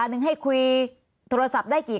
มันเป็นอาหารของพระราชา